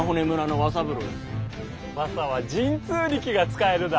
ワサは神通力が使えるだ。